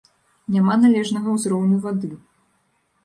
Няма належнага ўзроўню вады.